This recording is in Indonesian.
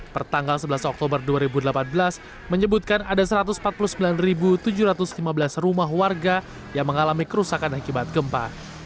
pertanggal sebelas oktober dua ribu delapan belas menyebutkan ada satu ratus empat puluh sembilan tujuh ratus lima belas rumah warga yang mengalami kerusakan akibat gempa